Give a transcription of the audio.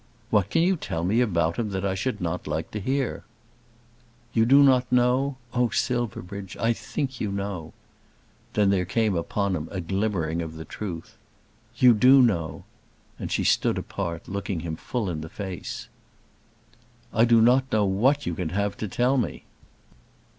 "What can you tell me about him, that I should not like to hear?" "You do not know? Oh, Silverbridge, I think you know." Then there came upon him a glimmering of the truth. "You do know." And she stood apart looking him full in the face. "I do not know what you can have to tell me."